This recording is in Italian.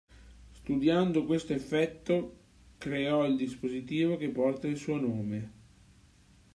Studiando questo effetto, creò il dispositivo che porta il suo nome.